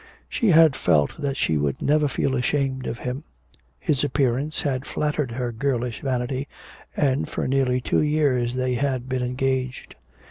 She had felt that she would never feel ashamed of him; his appearance had flattered her girlish vanity, and for nearly two years they had been engaged.